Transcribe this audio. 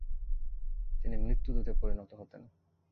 তিনি মৃত্যুদূতে পরিণত হতেন।